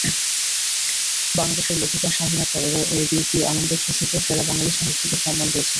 বাংলাদেশের লেখিকা শাহিন আখতার এবার এবিপি-আনন্দ ঘোষিত সেরা বাঙালি সাহিত্যিকের সম্মান পেয়েছেন।